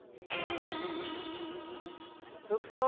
「服装」。